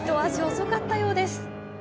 遅かったようです。